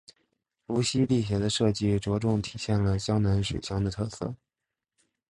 无锡地铁的设计着重体现了江南水乡的特色。